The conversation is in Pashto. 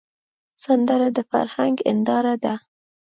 سندره د فرهنګ هنداره ده